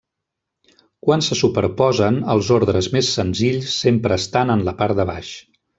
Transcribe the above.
Quan se superposen, els ordres més senzills sempre estan en la part de baix.